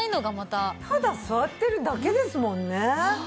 ただ座ってるだけですもんね。